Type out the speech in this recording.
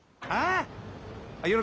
ああ！